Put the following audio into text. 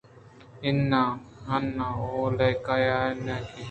اِنّا، ناں ءُ نَیکہ یا ناں کہ